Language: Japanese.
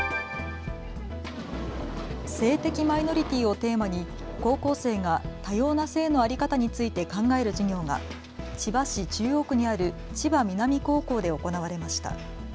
性的マイノリティーをテーマに高校生が多様な性の在り方について考える授業が千葉市中央区にある千葉南高校で行われました。